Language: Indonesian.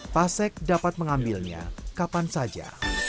fasek dapat mengambilnya kapan saja